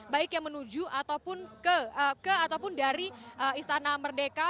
baik yang menuju ataupun ke ataupun dari istana merdeka